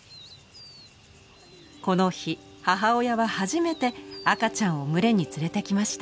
この日母親は初めて赤ちゃんを群れに連れてきました。